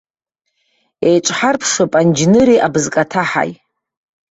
Еиҿҳарԥшып анџьныри абызкаҭаҳаи.